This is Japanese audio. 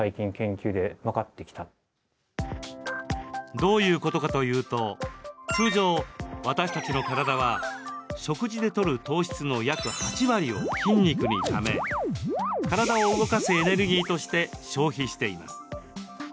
どういうことかというと通常、私たちの体は食事でとる糖質の約８割を筋肉にため体を動かすエネルギーとして消費しています。